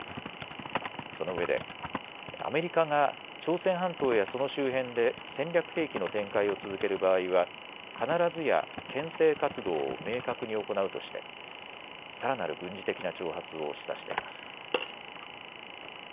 そのうえでアメリカが朝鮮半島やその周辺で戦略兵器の展開を続ける場合は必ずやけん制活動を明確に行うとしてさらなる軍事的な挑発を示唆しています。